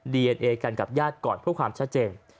ดีเอ็นเอกันกับญาติก่อนเพื่อความชัดเจน